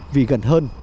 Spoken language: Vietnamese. vì gần hơn